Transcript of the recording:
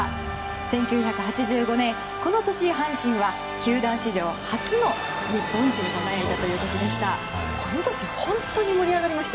１９８５年、この年阪神は球団史上初日本一に輝きました。